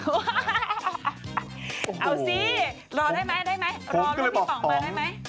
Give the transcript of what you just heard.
เอาสิรอได้ไหมรอลูกมีป๋องมาได้ไหมโอ้โฮ